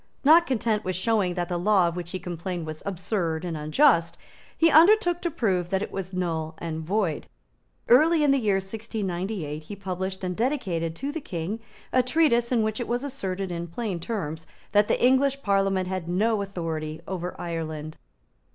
Not content with showing that the law of which he complained was absurd and unjust, he undertook to prove that it was null and void. Early in the year 1698 he published and dedicated to the King a treatise in which it was asserted in plain terms that the English Parliament had no authority over Ireland.